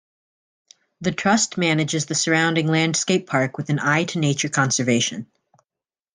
The Trust manages the surrounding landscape park with an eye to nature conservation.